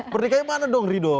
merdeka yang mana dong rido